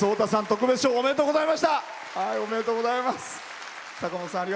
特別賞おめでとうございました。